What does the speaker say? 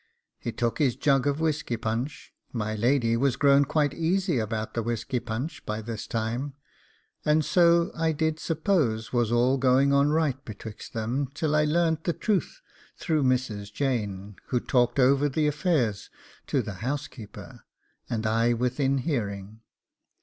He took his jug of whisky punch my lady was grown quite easy about the whisky punch by this time, and so I did suppose all was going on right betwixt them till I learnt the truth through Mrs. Jane, who talked over the affairs to the housekeeper, and I within hearing.